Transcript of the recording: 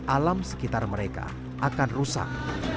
alam sekitar mereka akan rusak